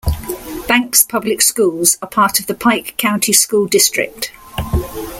Banks Public Schools are part of the Pike County School District.